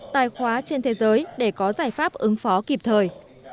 tài khoá trên thế giới để có giải pháp ứng phó kịp thời